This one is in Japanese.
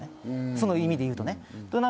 その意味で言うとね。